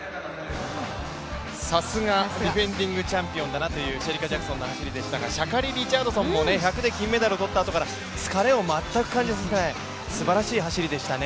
さすが、ディフェンディングチャンピオンだなというシェリカ・ジャクソンの走りでしたがシャカリ・リチャードソンも１００で金メダルを取ったあとから疲れを全く感じさせないすばらしい走りでしたね。